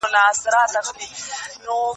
موټر د خیر محمد مخې ته ورو شو.